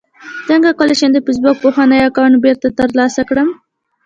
څنګه کولی شم د فېسبوک پخوانی اکاونټ بیرته ترلاسه کړم